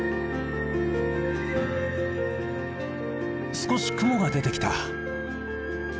少し雲が出てきた。